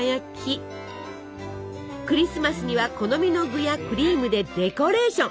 クリスマスには好みの具やクリームでデコレーション。